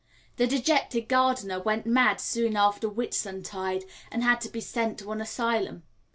The dejected gardener went mad soon after Whitsuntide, and had to be sent to an asylum.